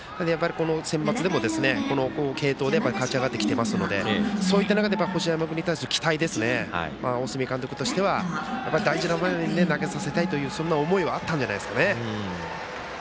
センバツでも、継投で勝ち上がってきてますのでそういった中で星山君に対する期待ですね大角監督としては大事な場面で投げさせたいというそんな思いはあったんじゃないですかね。